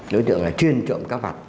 đối tượng là chuyên trộm các vật